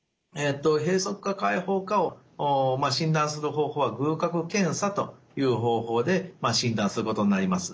閉塞か開放かを診断する方法は隅角検査という方法で診断することになります。